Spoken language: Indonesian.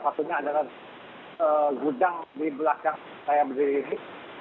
salah satunya adalah gudang di belakang saya berdiri